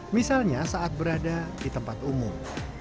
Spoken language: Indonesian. misalnya saat berada di tempat umum